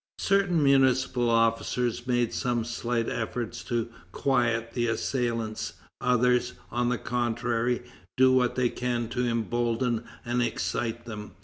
Certain municipal officers make some slight efforts to quiet the assailants; others, on the contrary, do what they can to embolden and excite them.